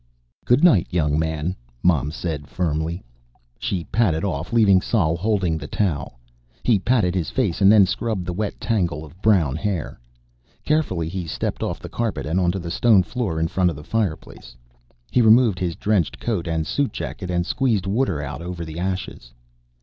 "Goodnight, young man," Mom said firmly. She padded off, leaving Sol holding the towel. He patted his face, and then scrubbed the wet tangle of brown hair. Carefully, he stepped off the carpet and onto the stone floor in front of the fireplace. He removed his drenched coat and suit jacket, and squeezed water out over the ashes.